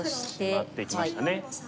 シマっていきましたね。